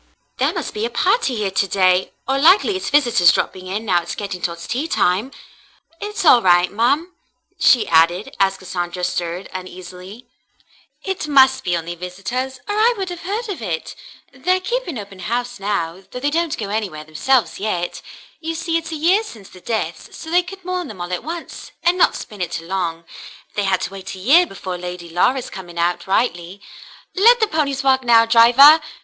"There must be a party here to day, or likely it's visitors dropping in, now it's getting toward tea time. It's all right, ma'm," she added, as Cassandra stirred uneasily. "It must be only visitors, or I would have heard of it. They're keeping open house now, though they don't go anywhere themselves yet. You see it's a year since the deaths, so they could mourn them all at once, and not spin it along. They had to wait a year before Lady Laura's coming out — rightly. Let the ponies walk now, driver.